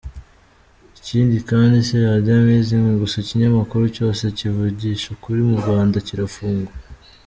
Ikindi kandi si radio Amazing gusa ikinyamakuru cyose kivugisha ukuri mu Rwanda kirafungwa.